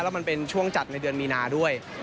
แล้วมันเป็นช่วงจัดในเดือนมีนาด้วย